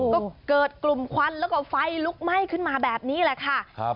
ก็เกิดกลุ่มควันแล้วก็ไฟลุกไหม้ขึ้นมาแบบนี้แหละค่ะ